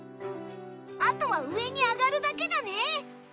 あとは上に上がるだけだね。